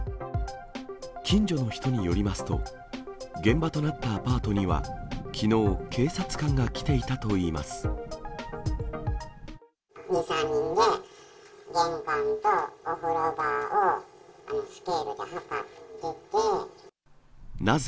近所の人によりますと、現場となったアパートには、きのう、２、３人で、玄関とお風呂場をスケールで測ってて。